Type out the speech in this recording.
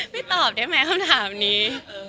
พี่ตอบได้ไหมคำถามนี้